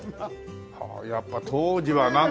やっぱ当時はなんか。